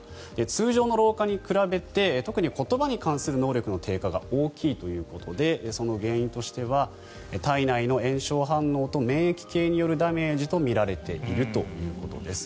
通常の老化に比べて特に言葉に関する能力の低下が大きいということでその原因としては体内の炎症反応と免疫系によるダメージとみられているということです。